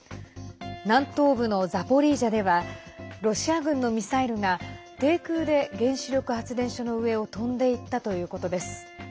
南東部のザポリージャではロシア軍のミサイルが低空で原子力発電所の上を飛んでいったということです。